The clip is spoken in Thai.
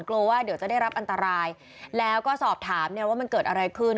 กลัวว่าเดี๋ยวจะได้รับอันตรายแล้วก็สอบถามเนี่ยว่ามันเกิดอะไรขึ้น